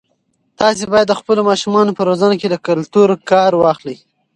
تاسي باید د خپلو ماشومانو په روزنه کې له کلتور کار واخلئ.